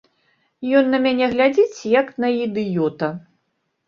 Ён на мяне глядзіць, як на ідыёта.